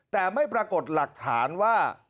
แต่ไม่ปรากฏหลักฐานว่า